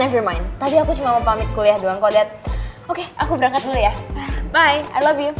ehm tidak apa apa tadi aku cuma mau pamit kuliah doang kodet oke aku berangkat dulu ya bye i love you